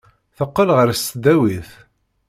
Teqqel ɣer tesdawit.